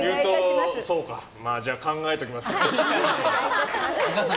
じゃあ考えておきます。